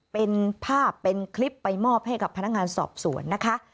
เป็นภาพเป็นคลิปไปมอบให้กับพนักงานสอบสวนนะคะ